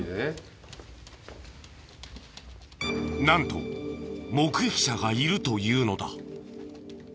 なんと目撃者がいるというのだ。